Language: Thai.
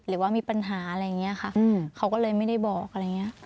หรือว่ามีปัญหาอะไรอย่างนี้ค่ะเขาก็เลยไม่ได้บอกอะไรอย่างนี้